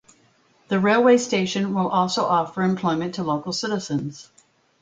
The railway station will also offer employment to local citizens.